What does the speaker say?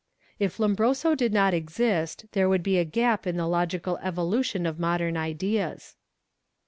If Lombroso did not exist, there would be a gap in the Bes evolution of modern ideas.